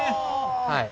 はい。